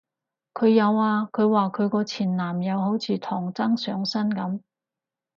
佢有啊，佢話佢個前男友好似唐僧上身噉